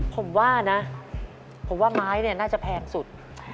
ผมว่านะผมว่าไม้เนี่ยน่าจะแพงสุด